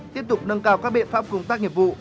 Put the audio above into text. tiếp tục nâng cao các biện pháp công tác nghiệp vụ